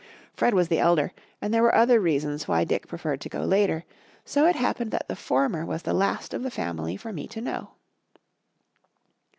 Fred was the elder, and there were other reasons why Dick preferred to go later, so it happened that the former was the last of the family for me to know.